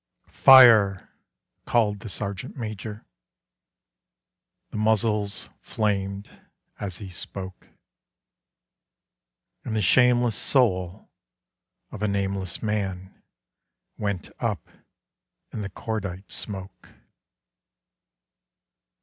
"Fire!" called the Sergeant Major. The muzzles flamed as he spoke: And the shameless soul of a nameless man Went up in the cordite smoke.